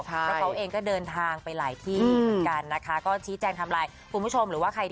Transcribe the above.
พออาการเริ่มดีขึ้นนะครับก็จะแบบว่า